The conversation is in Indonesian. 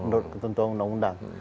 menurut ketentuan undang undang